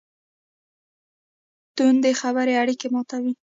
توندې خبرې اړیکې ماتوي.